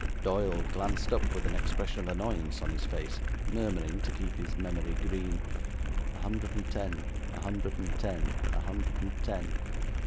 Doyle glanced up with an expression of annoyance on his face, murmuring, to keep his memory green: 'A hundred and ten, a hundred and ten, a hundred and ten.'